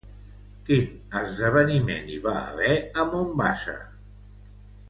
Quin esdeveniment hi va haver a Mombassa?